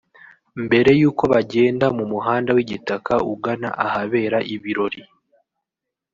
mbere yuko bagenda mu muhanda w’igitaka ugana ahabera ibirori